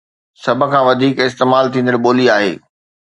سڀ کان وڌيڪ استعمال ٿيندڙ ٻولي آهي